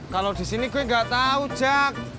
kalau di sini gue gak tau jack